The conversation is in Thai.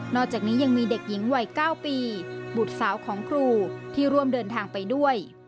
อกจากนี้ยังมีเด็กหญิงวัย๙ปีบุตรสาวของครูที่ร่วมเดินทางไปด้วย